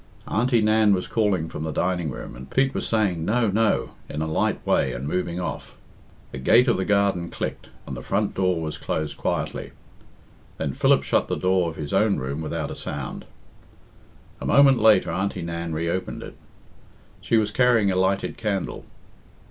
Auntie Nan was calling from the dining room, and Pete was saying "No, no," in a light way and moving off. The gate of the garden clicked and the front door was closed quietly. Then Philip shut the door of his own room without a sound. A moment later Auntie Nan re opened it. She was carrying a lighted candle.